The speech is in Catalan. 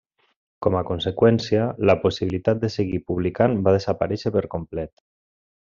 Com a conseqüència, la possibilitat de seguir publicant va desaparèixer per complet.